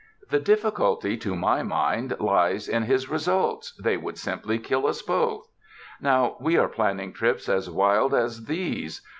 The difficulty to my mind lies in his results — they would simply kill us both. Now, we are planning trips as wild as these.